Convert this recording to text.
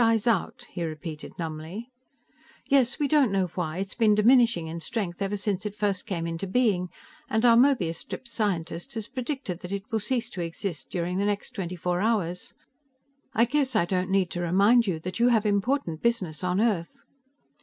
"Dies out?" he repeated numbly. "Yes. We don't know why, but it's been diminishing in strength ever since it first came into being, and our 'Möbius strip scientist' has predicted that it will cease to exist during the next twenty four hours. I guess I don't need to remind you that you have important business on Earth."